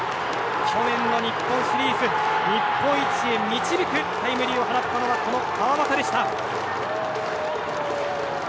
去年の日本シリーズ日本一へ導くタイムリーを放ったのはこの川端でした。